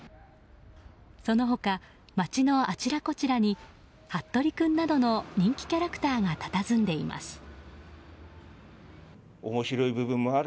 その他、街のあちらこちらにハットリくんなどの人気キャラクターがたたずんでいます。